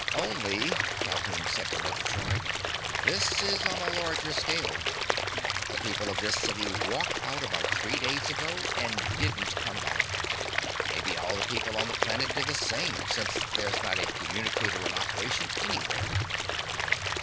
"Only," said Calhoun to Murgatroyd, "this is on a larger scale. The people of this city walked out about three days ago, and didn't come back. Maybe all the people on the planet did the same, since there's not a communicator in operation anywhere.